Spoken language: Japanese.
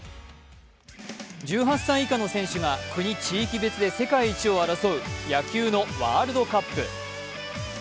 １８歳以下の選手が国・地域別で世界血を争う野球のワールドカップ。